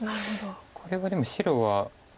これはでも白は。